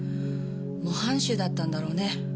模範囚だったんだろうね。